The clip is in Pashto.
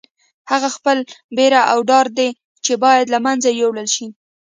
هغه خپله بېره او ډار دی چې باید له منځه یوړل شي.